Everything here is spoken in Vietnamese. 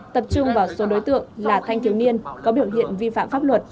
tập trung vào số đối tượng là thanh thiếu niên có biểu hiện vi phạm pháp luật